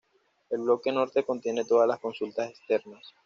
El bloque Norte contiene todas las consultas externas.